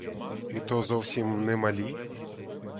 І то зовсім немалі!